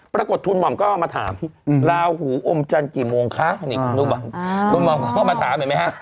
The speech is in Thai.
ปรากฏคุณหม่อมก็มาถามลาหูอมจันทร์กี่โมงคะนี่คุณรู้ป่ะคุณหม่อมเข้ามาถามเห็นไหมฮะ